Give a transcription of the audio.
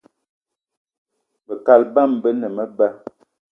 Be kaal bama be ne meba